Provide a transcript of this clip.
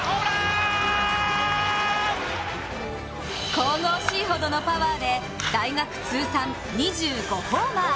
神々しいほどのパワーで大学通算２５ホーマー。